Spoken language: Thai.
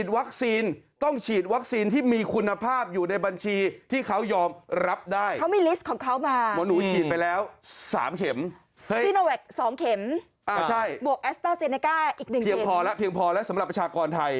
อ๋อแล้วสำหรับประชากรไทย